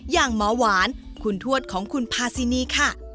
อย่างหมอหวานคุณทวดของคุณพาซินีค่ะ